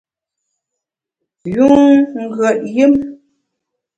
Yun ngùet yùm !